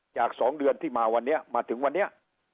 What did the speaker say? ๒เดือนที่มาวันนี้มาถึงวันนี้